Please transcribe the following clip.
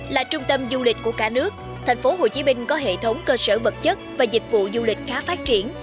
là trung tâm du lịch của cả nước thành phố hồ chí minh có hệ thống cơ sở vật chất và dịch vụ du lịch khá phát triển